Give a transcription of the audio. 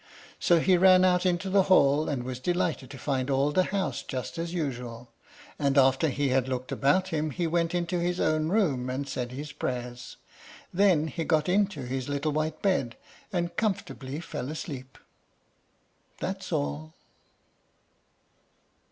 So he ran out into the hall, and was delighted to find all the house just as usual, and after he had looked about him he went into his own room, and said his prayers. Then he got into his little white bed, and comfortably fell asleep. That's all.